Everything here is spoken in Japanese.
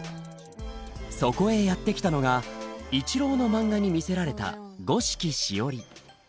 そこへやって来たのが一郎の漫画に魅せられた五色しおり。